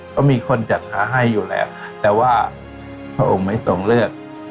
ก็มีคนจัดพระให้อยู่แล้วแต่ว่าพระองค์ไม่ทรงเลือก